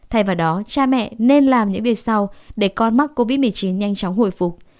thay vào đó cha mẹ nên làm những việc sau để con mắc covid một mươi chín nhanh chóng hồi phục